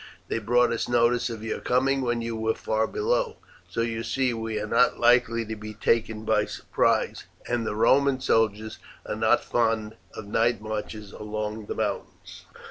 They brought us notice of your coming when you were far below, so you see we are not likely to be taken by surprise, and the Roman soldiers are not fond of night marches among the mountains."